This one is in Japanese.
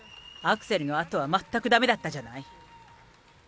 アクセルのあとは全くだめだったじゃない。